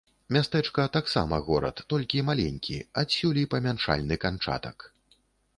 Мястэчка таксама горад, толькі маленькі, адсюль і памяншальны канчатак.